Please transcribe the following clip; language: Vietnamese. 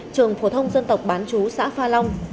trường phổ thông dân tộc bán chú xã pha long